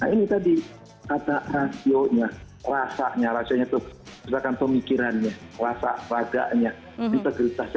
ini tadi ada rasio nya rasanya rasanya tuh sedangkan pemikirannya rasa raganya integritas